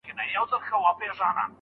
د څيړني هڅه له ستړیا پیاوړي وي.